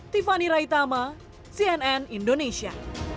tiffany raitama cnn indonesia